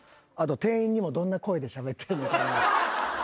あと店員にもどんな声でしゃべってるのか？